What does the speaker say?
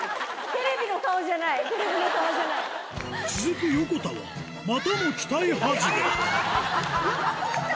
続く横田はまたも期待外れえぇ！